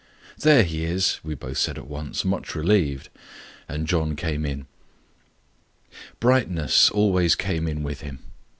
"There he is!" we both said at once much relieved; and John came in. Brightness always came in with him.